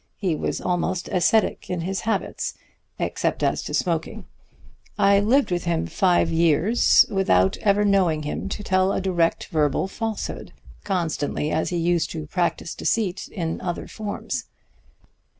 He was almost ascetic in his habits, except as to smoking. I lived with him five years without ever knowing him to tell a direct verbal falsehood, constantly as he used to practise deceit in other forms.